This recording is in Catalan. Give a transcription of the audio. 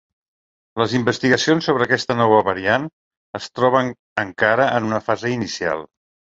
Les investigacions sobre aquesta nova variant es troben encara en una fase inicial.